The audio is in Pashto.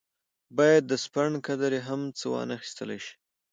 باید د سپڼ قدرې هم څه وانه اخیستل شي.